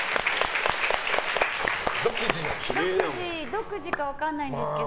独自か分からないんですけど。